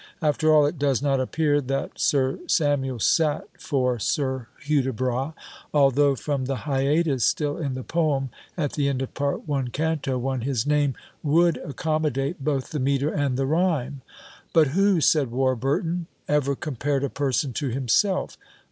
After all, it does not appear that Sir Samuel sat for Sir Hudibras; although from the hiatus still in the poem, at the end of Part I., Canto I., his name would accommodate both the metre and the rhyme. But who, said Warburton, ever compared a person to himself?